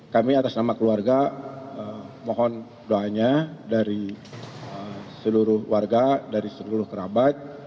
kami atas nama keluarga mohon doanya dari seluruh warga dari seluruh kerabat